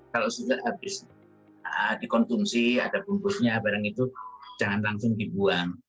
kalau sudah habis dikonsumsi ada bungkusnya barang itu jangan langsung dibuang